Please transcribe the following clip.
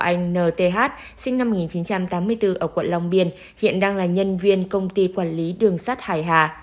anh nth sinh năm một nghìn chín trăm tám mươi bốn ở quận long biên hiện đang là nhân viên công ty quản lý đường sắt hải hà